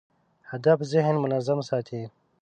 هدف ذهن منظم ساتي.